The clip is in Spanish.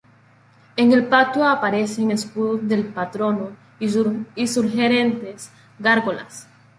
En el patio aparecen escudos del patrono y sugerentes gárgolas.